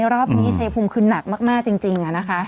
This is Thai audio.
รอบนี้ชัยภูมิคือหนักมากจริง